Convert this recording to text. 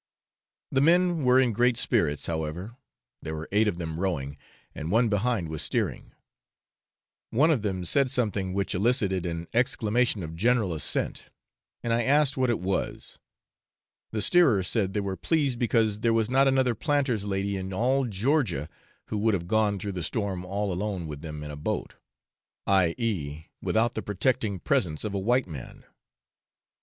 The men were in great spirits, however (there were eight of them rowing, and one behind was steering); one of them said something which elicited an exclamation of general assent, and I asked what it was; the steerer said they were pleased because there was not another planter's lady in all Georgia who would have gone through the storm all alone with them in a boat; i.e. without the protecting presence of a white man.